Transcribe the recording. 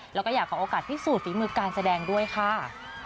แล้วก็อยากขอโอกาสพิสูจนฝีมือการแสดงด้วยค่ะ